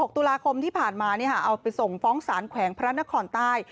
ตุลาคมที่ผ่านมาเอาไปส่งฟ้องสารแขวงพระนครใต้